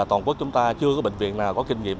toàn quốc chúng ta chưa có bệnh viện nào có kinh nghiệm